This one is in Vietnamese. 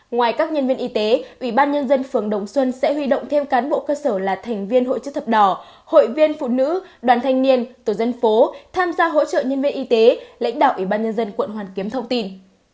ngoài các nhân viên y tế ủy ban nhân dân phường đồng xuân sẽ huy động thêm cán bộ cơ sở là thành viên hội chức thập đỏ hội viên phụ nữ đoàn thanh niên tổ dân phố tham gia hỗ trợ nhân viên y tế lãnh đạo ủy ban nhân dân quận hoàn kiếm thông tin